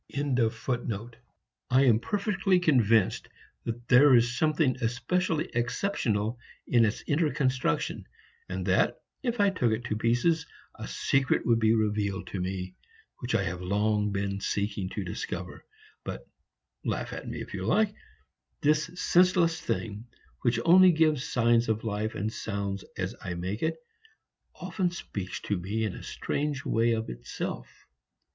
] age. I am perfectly convinced that there is something especially exceptional in its inner construction, and that, if I took it to pieces, a secret would be revealed to me which I have long been seeking to discover, but laugh at me if you like this senseless thing which only gives signs of life and sound as I make it, often speaks to me in a strange way of itself.